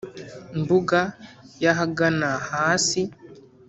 Mbuga y ahagana hasi